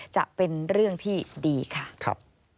จะเป็นเรื่องที่ดีค่ะ